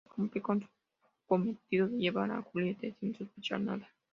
Tras cumplir con su cometido de llevar a Juliette sin sospechar nada.